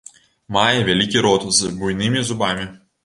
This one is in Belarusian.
Мае вялікі рот з буйнымі зубамі.